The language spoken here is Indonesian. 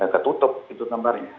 ketutup itu gambarnya